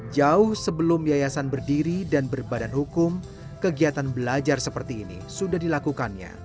jauh sebelum yayasan berdiri dan berbadan hukum kegiatan belajar seperti ini sudah dilakukannya